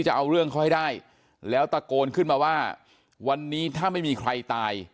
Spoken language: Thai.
จะเอาเรื่องเขาให้ได้แล้วตะโกนขึ้นมาว่าวันนี้ถ้าไม่มีใครตาย